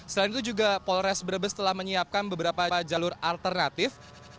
selain itu juga polres brebes telah menyiapkan beberapa jalur alternatif